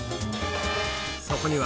そこには